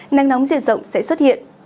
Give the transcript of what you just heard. nắng nóng diệt rộng sẽ xuất hiện